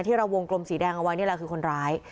เราวงกลมสีแดงเอาไว้นี่แหละคือคนร้าย